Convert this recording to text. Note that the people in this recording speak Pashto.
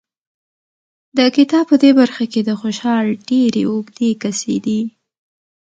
د کتاب په دې برخه کې د خوشحال ډېرې اوږې قصیدې